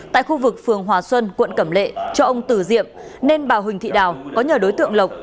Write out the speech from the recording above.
tại khu vực phường hòa xuân quận cẩm lệ cho ông tử diệm nên bà huỳnh thị đào có nhờ đối tượng lộc